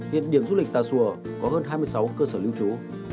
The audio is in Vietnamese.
hiện điểm du lịch tà xùa có hơn hai mươi sáu cơ sở lưu trú